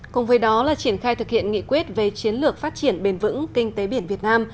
cùng với đó là triển khai thực hiện nghị quyết về chiến lược phát triển bền vững kinh tế biển việt nam